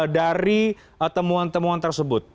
dari temuan temuan tersebut